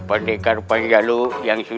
teliti koil trok yang